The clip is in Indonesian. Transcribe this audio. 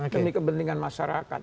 demi kepentingan masyarakat